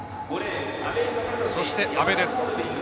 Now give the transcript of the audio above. そして、安部です。